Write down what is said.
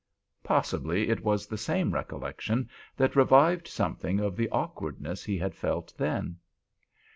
Possibly it was the same recollection that revived something of the awkwardness he had felt then.